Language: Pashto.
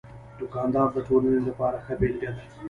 دوکاندار د ټولنې لپاره ښه بېلګه ده.